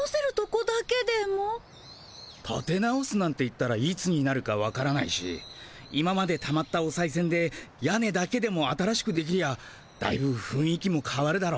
たて直すなんて言ったらいつになるかわからないし今までたまったおさいせんで屋根だけでも新しくできりゃだいぶふんい気もかわるだろう。